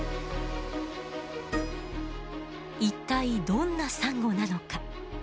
一体どんなサンゴなのか。